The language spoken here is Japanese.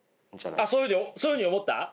あっそういうふうに思った？